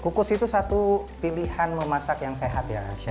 kukus itu satu pilihan memasak yang sehat ya